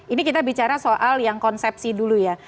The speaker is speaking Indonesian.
ini kita bicara soal yang konsepsi dulu ya